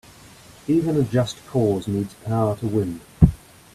Even a just cause needs power to win.